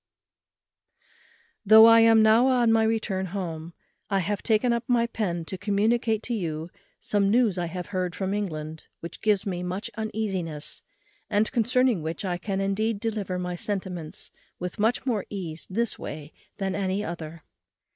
_ "Though I am now on my return home, I have taken up my pen to communicate to you some news I have heard from England, which gives me much uneasiness, and concerning which I can indeed deliver my sentiments with much more ease this way than any other.